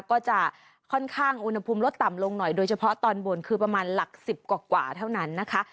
ก็จะค่อนข้างอุณหภูมิลดต่ำลงหน่อยโดยเฉพาะตอนบนคือประมาณหลักสิบกว่าเท่านั้นนะคะ